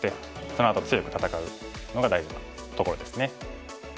そのあと強く戦うのが大事なところですね。